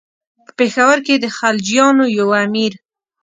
په پېښور کې د خلجیانو یو امیر.